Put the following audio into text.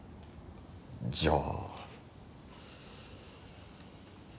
じゃあ。